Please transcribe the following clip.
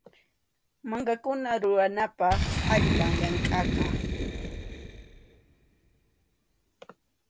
Mankakuna ruranapaq allpam llankaqa.